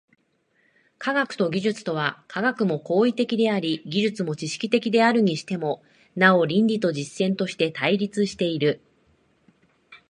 科学と技術とは、科学も行為的であり技術も知識的であるにしても、なお理論と実践として対立している。